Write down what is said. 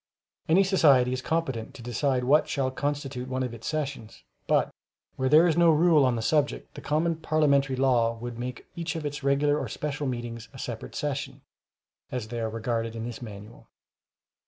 Any society is competent to decide what shall constitute one of its sessions, but, where there is no rule on the subject, the common parliamentary law would make each of its regular or special meetings a separate session, as they are regarded in this Manual.